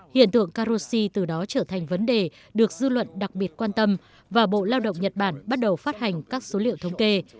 hiện tượng carosi từ đó trở thành vấn đề được dư luận đặc biệt quan tâm và bộ lao động nhật bản bắt đầu phát hành các số liệu thống kê